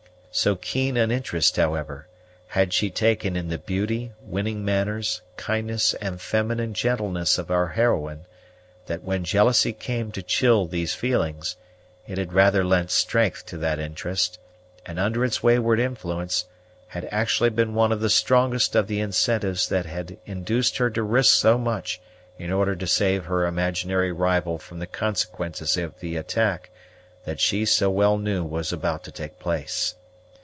So keen an interest, however, had she taken in the beauty, winning manners, kindness, and feminine gentleness of our heroine, that when jealousy came to chill these feelings, it had rather lent strength to that interest; and, under its wayward influence, had actually been one of the strongest of the incentives that had induced her to risk so much in order to save her imaginary rival from the consequences of the attack that she so well knew was about to take place.